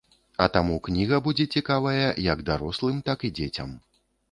А таму кніга будзе цікавая як дарослым, так і дзецям.